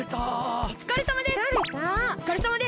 おつかれさまです！